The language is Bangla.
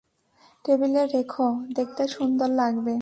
টেবিলে রেখো, দেখতে সুন্দর লাগবে।